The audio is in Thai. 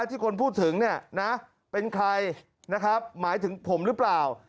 ที่คนพูดถึงเนี่ยนะเป็นใครนะครับหมายถึงผมหรือเปล่า